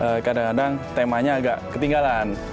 beberapa di antaranya ada kadang kadang temanya agak ketinggalan